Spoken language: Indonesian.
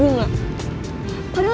gue nggak mau cari bunga